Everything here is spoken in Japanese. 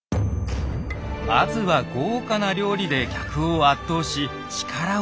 まずは豪華な料理で客を圧倒し力を見せつける。